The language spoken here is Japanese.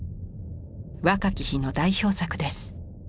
若き日の代表作です。